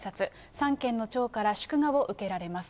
三権の長から祝賀を受けられます。